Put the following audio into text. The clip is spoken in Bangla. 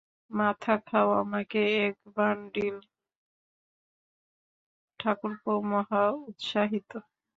মাথা খাও, আমাকে এক বাণ্ডিল– ঠাকুরপো মহা উৎসাহিত।